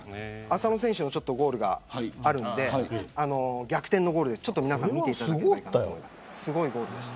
浅野選手のゴールがあるので逆転のゴールを見ていただけたらと思います。